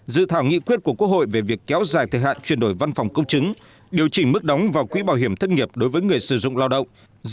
dự thảo nghị quyết của quốc hội về việc kéo dài thời hạn chuyển đổi văn phòng công chứng điều chỉnh mức đóng vào quỹ bảo hiểm thất nghiệp đối với người sử dụng lao động